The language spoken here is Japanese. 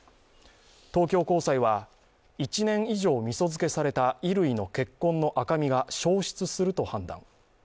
東京高裁は、１年以上みそ漬けされた衣類の血痕の赤みが消失すると判断。